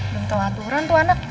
bentol aturan tuh anak